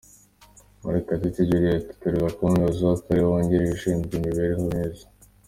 Murekatete Julliet atorerwa kuba umuyobozi w’akarere wungirije ushinzwe imibereho myiza.